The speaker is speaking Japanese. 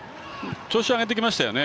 調子、上げてきましたね。